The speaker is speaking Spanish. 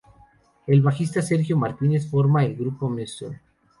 El bajista Sergio Martínez forma el grupo Mr.